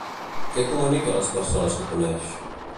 Què comunica a les persones que coneix?